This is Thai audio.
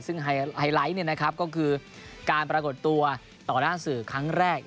ซึ่งไฮไลท์ก็คือการปรากฏตัวต่อหน้าสื่อครั้งแรก